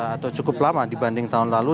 atau cukup lama dibanding tahun lalu